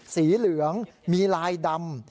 สีเหลืองมีลายดำ